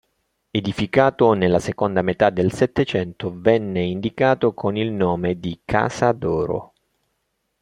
Edificato nella seconda metà del Settecento, venne indicato con il nome di “casa d'oro”.